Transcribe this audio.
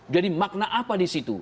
jadi makna apa di situ